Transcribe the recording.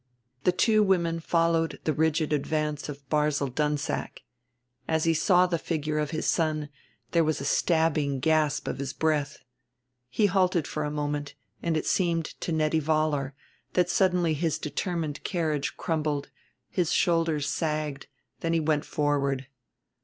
The two women followed the rigid advance of Barzil Dunsack. As he saw the figure of his son there was a stabbing gasp of his breath. He halted for a moment, and it seemed to Nettie Vollar that suddenly his determined carriage crumbled, his shoulders sagged; then he went forward.